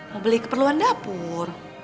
mau beli keperluan dapur